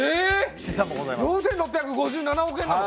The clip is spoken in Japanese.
４６５７億円なの？